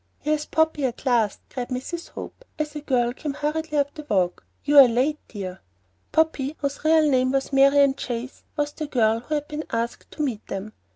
"Here's Poppy, at last," cried Mrs. Hope, as a girl came hurriedly up the walk. "You're late, dear." "Poppy," whose real name was Marian Chase, was the girl who had been asked to meet them.